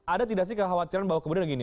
ada tidak sih kekhawatiran bahwa kemudian gini